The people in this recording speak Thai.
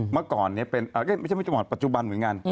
เมื่อก่อนเนี่ยเป็นไม่ใช่ปัจจุบันเหมือนกัน